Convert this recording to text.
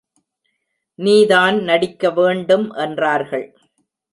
நீதான் நடிக்க வேண்டும் என்றார்கள்.